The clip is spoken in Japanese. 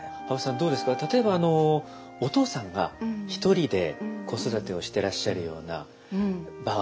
どうですか例えばあのお父さんが１人で子育てをしてらっしゃるような場合。